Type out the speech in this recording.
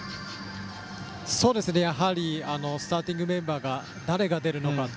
やはりスターティングメンバーで誰が出るのかは